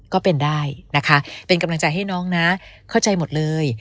ก็เป็นได้นะคะเป็นกำลังใจให้น้องนะเข้าใจหมดเลย